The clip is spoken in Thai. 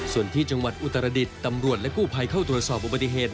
ส่วนที่จังหวัดอุตรดิษฐ์ตำรวจและกู้ภัยเข้าตรวจสอบอุบัติเหตุ